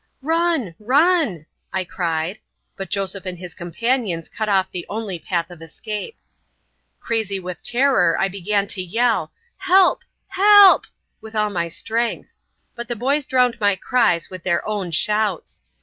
"Run, run!" I cried; but Joseph and his companions cut off the only path of escape. Crazy with terror, I began to yell, "Help! help!" with all my strength; but the boys drowned my cries with their own shouts.